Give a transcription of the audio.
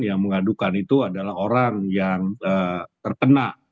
yang mengadukan itu adalah orang yang terkena